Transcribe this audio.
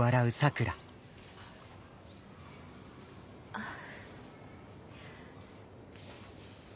ああ。